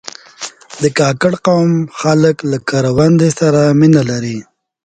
د کاکړ قوم خلک له کروندې سره مینه لري.